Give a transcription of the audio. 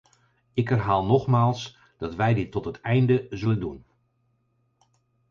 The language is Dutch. Ik herhaal nogmaals dat wij dit tot het einde zullen doen.